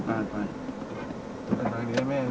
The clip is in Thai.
ทางนี้ก็ไม่มีอยู่แล้ว